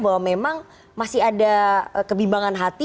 bahwa memang masih ada kebimbangan hati